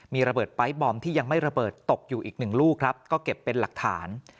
มีระเบิดไปร์ทบอมที่ยังไม่ระเบิดตกอยู่อีกหนึ่งลูกครับก็เก็บเป็นหลักฐาน